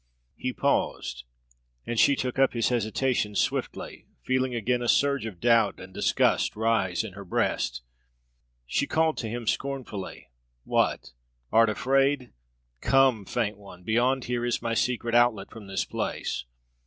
He paused, and she took up his hesitation swiftly, feeling again a surge of doubt and disgust rise in her breast. She called to him, scornfully: "What, art afraid? Come, faint one; beyond here is my secret outlet from this place.